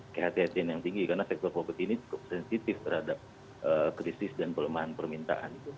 kehatian kehatian yang tinggi karena sektor covid ini cukup sensitif terhadap krisis dan pelemahan permintaan